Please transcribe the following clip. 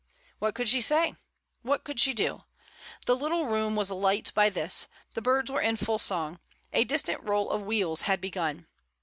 What could she say? what could she do? The little room was alight by this; the birds were in full song, a distant roll of wheels had begun.